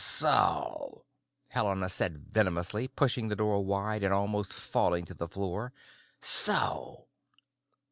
"So!" Helena said venomously, pushing the door wide and almost falling to the floor. "So!"